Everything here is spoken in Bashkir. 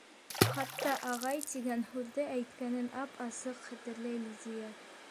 Хатта «ағай» тигән һүҙҙе әйткәнен ап-асыҡ хәтерләй Лидия.